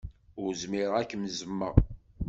Ur zmireɣ ad kem-zzmeɣ.